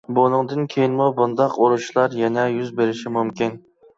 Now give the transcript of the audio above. بۇنىڭدىن كېيىنمۇ بۇنداق ئۇرۇشلار يەنە يۈز بېرىشى مۇمكىن.